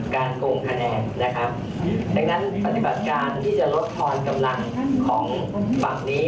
โกงคะแนนนะครับดังนั้นปฏิบัติการที่จะลดทอนกำลังของฝั่งนี้